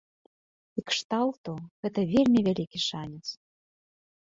І кшталту, гэта вельмі вялікі шанец.